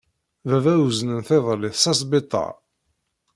Baba uznen-t iḍelli s asbiṭar.